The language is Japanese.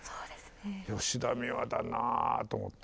吉田美和だなあと思って。